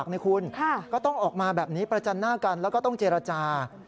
คุณก็ต้องออกมาแบบนี้ประจันหน้ากันแล้วก็ต้องเจรจา